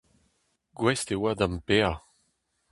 Gouest e oa da'm paeañ.